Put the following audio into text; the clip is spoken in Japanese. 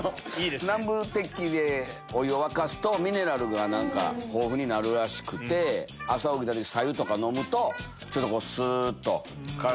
南部鉄器でお湯を沸かすとミネラルが豊富になるらしくて朝起きた時さゆ飲むとちょっとすっと。